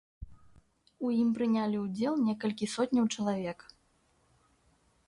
У ім прынялі ўдзел некалькі сотняў чалавек.